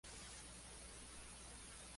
Finalmente el patronato acabó desapareciendo.